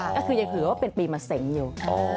ก็คือยังถือว่าเป็นปีมะเสงอยู่